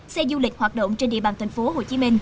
xe du lịch hoạt động trên địa bàn tp hcm